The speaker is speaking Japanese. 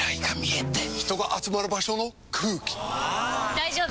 大丈夫！